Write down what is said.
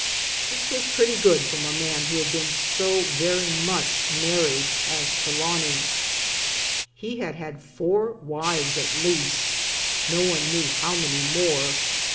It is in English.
This was pretty good from a man who had been so very mack married as Trelawny ! He had had four wives at least no one knew how many more.